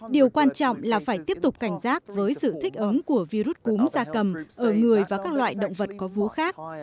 điều quan trọng là phải tiếp tục cảnh giác với sự thích ứng của virus cúm da cầm ở người và các loại động vật có vú khác